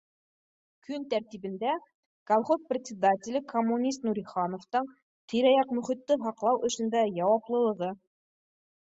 Көн тәртибендә: «Колхоз председателе коммунист Нурихановтың тирә-яҡ мөхитте һаҡлау эшендә яуаплылығы»